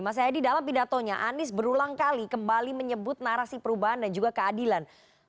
mas yadi dalam pidatonya anies berulang kali kembali menyebut narasi perubahan dan juga keadilan